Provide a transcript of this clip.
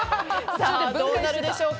どうなるでしょうか。